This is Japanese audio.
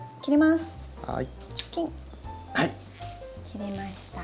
切れました。